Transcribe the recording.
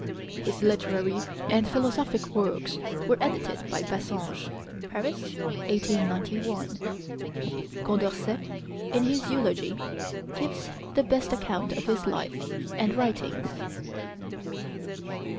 His literary and philosopic works were edited by Bassange (Paris, 1891). Condorcet, in his 'Eulogy,' gives the best account of his life and writings.